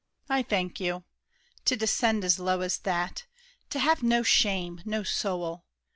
I thank you! To descend As low as that! To have no shame, no soul!